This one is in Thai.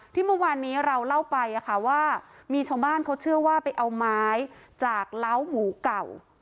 ที่เมื่อวานนี้เราเล่าไปว่ามีชาวบ้านเขาเชื่อว่าไปเอาไม้จากเล้าหมูเก่า